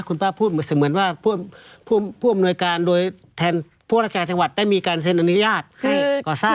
คุณป้าพูดเหมือนว่าผู้อำนวยการโดยแทนผู้ราชการจังหวัดได้มีการเซ็นอนุญาตให้ก่อสร้าง